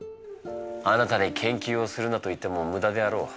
あなたに研究をするなと言っても無駄であろう。